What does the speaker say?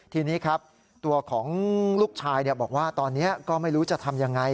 ทีนี้ครับตัวของลูกชายบอกว่าตอนนี้ก็ไม่รู้จะทำยังไง